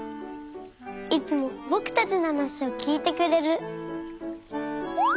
いつもぼくたちのはなしをきいてくれる。